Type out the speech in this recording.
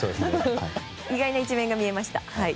意外な一面が見えました。